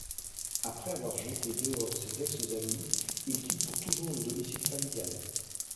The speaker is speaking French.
Après avoir jeté dehors ses ex-amis, il quitte pour toujours le domicile familial.